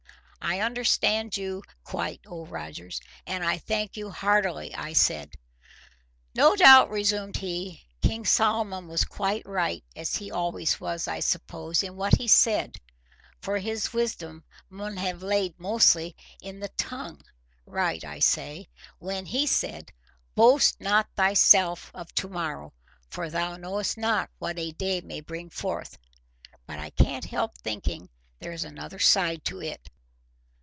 "I understand you quite, Old Rogers, and I thank you heartily," I said. "No doubt," resumed he, "King Solomon was quite right, as he always was, I suppose, in what he SAID, for his wisdom mun ha' laid mostly in the tongue—right, I say, when he said, 'Boast not thyself of to morrow; for thou knowest not what a day may bring forth;' but I can't help thinking there's another side to it.